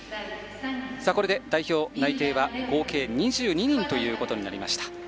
これで代表内定は合計２２人となりました。